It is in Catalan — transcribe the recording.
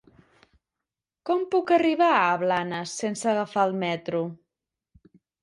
Com puc arribar a Blanes sense agafar el metro?